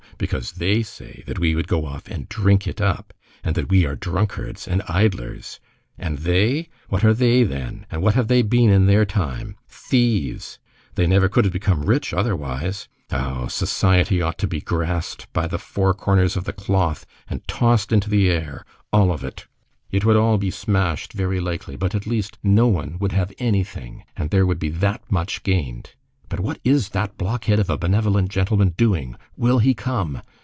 Because they say that we would go off and drink it up, and that we are drunkards and idlers! And they! What are they, then, and what have they been in their time! Thieves! They never could have become rich otherwise! Oh! Society ought to be grasped by the four corners of the cloth and tossed into the air, all of it! It would all be smashed, very likely, but at least, no one would have anything, and there would be that much gained! But what is that blockhead of a benevolent gentleman doing? Will he come?